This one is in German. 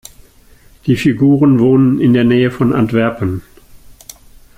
Die Figuren wohnen in der Nähe von Antwerpen.